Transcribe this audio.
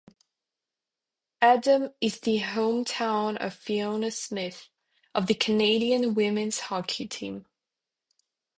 Edam is the home town of Fiona Smith, of the Canadian Women's Hockey team.